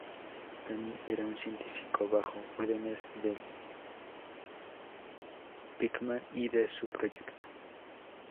Danny era un científico bajo órdenes del Dr. Pickman y de su proyecto.